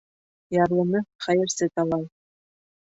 Ярлыны хәйерсе талай.